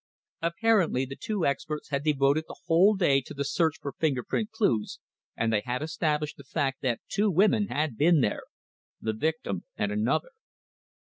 Apparently the two experts had devoted the whole day to the search for finger print clues, and they had established the fact that two women had been there the victim and another.